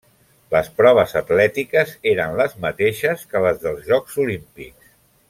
Les proves atlètiques eren les mateixes que les dels jocs Olímpics.